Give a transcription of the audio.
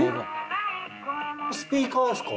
スピーカーですか？